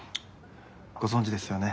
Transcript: ご存じですよね？